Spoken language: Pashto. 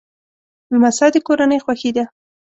لمسی د کورنۍ خوښي ده.